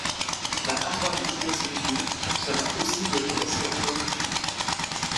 La Harvard Business Review sera aussi bientôt lancée en Corée du Sud.